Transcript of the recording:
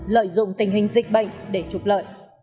lợi dụng tình hình dịch bệnh để trục lợi